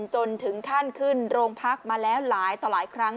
จนถึงขั้นขึ้นโรงพักมาแล้วหลายต่อหลายครั้ง